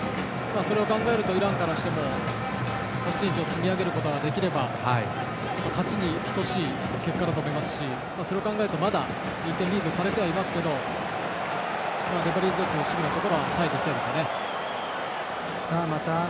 それを考えるとイランからしても勝ち点１を積み上げることができれば勝ちにひとしい結果だと思いますしそれを考えるとまだ１点リードされていますが粘り強く守備のところ耐えていきたいですね。